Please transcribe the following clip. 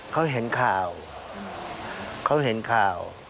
เขาเห็นข่าว